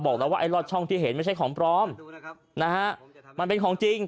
บอกแล้วว่าไอลอดช่องที่เห็นไม่ใช่ของปลอมนะฮะมันเป็นของจริง